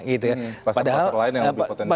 pasar pasar lain yang lebih potensial